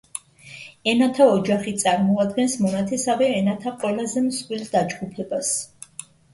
ენათა ოჯახი წარმოადგენს მონათესავე ენათა ყველაზე მსხვილ დაჯგუფებას.